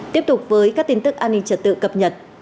tiếp tục với các tin tức an ninh trật tự cập nhật